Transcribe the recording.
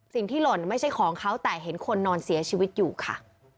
หล่นไม่ใช่ของเขาแต่เห็นคนนอนเสียชีวิตอยู่ค่ะ